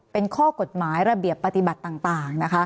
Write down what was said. เป็นข้อกฎหมายระเบียบปฏิบัติต่างนะคะ